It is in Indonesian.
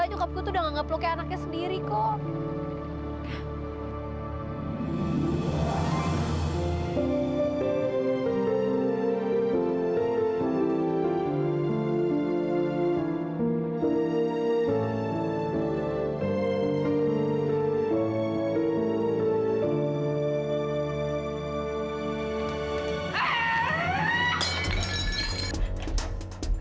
nyokap gue tuh udah nganggep lo kayak anaknya sendiri kok